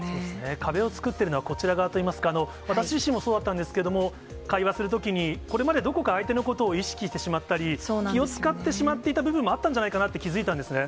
壁を作っているのは、こちら側といいますか、私自身もそうだったんですけれども、会話するときに、これまでどこか相手のことを意識してしまったり、気を遣ってしまっていた部分もあったんじゃないかって気付いたんですね。